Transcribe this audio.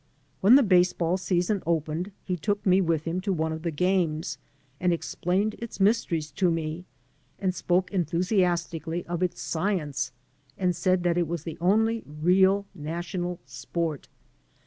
When the baseball season opened he took me with him to one of the games, and explained its 251 AN AMERICAN IN THE MAKING mysteries to me, and spoke enthusiastically of its science and said tliat it was the only real national sport.